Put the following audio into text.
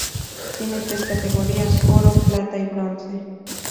Tienen tres categorías: oro, plata y bronce.